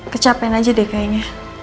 kecapein aja deh kayaknya